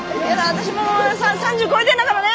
私もう３０超えてんだからね！